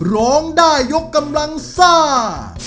ร้องได้ยกกำลังซ่า